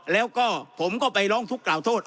แล้วก็ผมก็ไปร้องทุกข์กล่าวโทษ